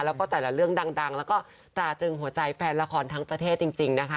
แล้วก็แต่ละเรื่องดังแล้วก็ตราตรึงหัวใจแฟนละครทั้งประเทศจริงนะคะ